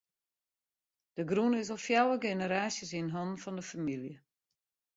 De grûn is al fjouwer generaasjes yn hannen fan de famylje.